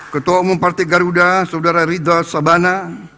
ketua umum partai garuda saudara rizal sabana